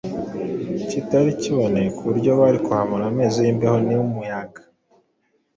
kitari kiboneye ku buryo bari kuhamara amezi y’imbeho n’umuyaga,